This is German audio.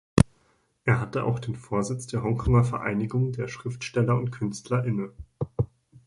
Er hatte auch den Vorsitz der Hongkonger Vereinigung der Schriftsteller und Künstler inne.